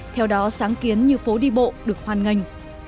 theo đó sáng kiến như phố đi bộ được hoan nghênh